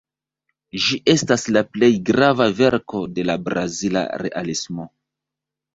Ĝi estas la plej grava verko de la brazila Realismo.